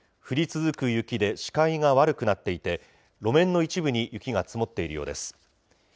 降り続く雪で視界が悪くなっていて、路面の一部に雪が積もっているようです。